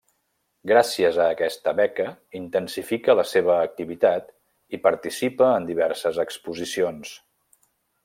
Gràcies a aquesta beca intensifica la seva activitat i participa en diverses exposicions.